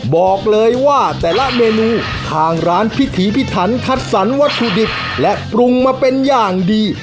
บอกเลยว่าแต่ละเมนูทางร้านพิถีพิถันคัดสรรวัตถุดิบและปรุงมาเป็นอย่างดี